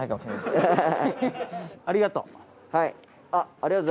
ありがとう。